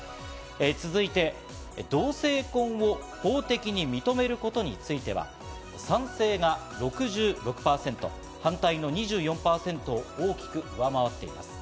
続いて同性婚を法的に認めることについては、賛成が６６％、反対の２４％を大きく上回っています。